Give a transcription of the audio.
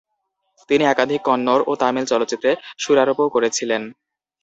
তিনি একাধিক কন্নড় ও তামিল চলচ্চিত্রে সুরারোপও করেছিলেন।